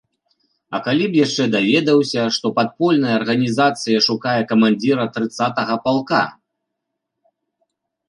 А калі б яшчэ даведаўся, што падпольная арганізацыя шукае камандзіра трыццатага палка?